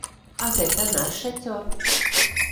А гэта наш шацёр.